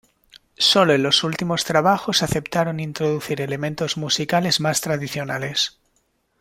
Sólo en los últimos trabajos aceptaron introducir elementos musicales más tradicionales.